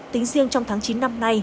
tính riêng trong tháng chín năm nay